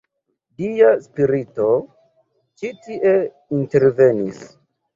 Dia spirito ĉi tie intervenis.